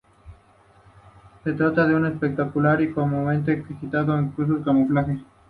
Se trata de un espectacular y comúnmente citado caso de camuflaje.